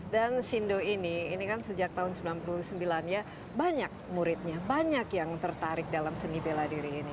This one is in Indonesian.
dan sindho ini kan sejak tahun seribu sembilan ratus sembilan puluh sembilan ya banyak muridnya banyak yang tertarik dalam seni bela diri ini